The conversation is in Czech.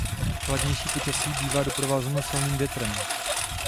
Chladnější počasí bývá doprovázeno silným větrem.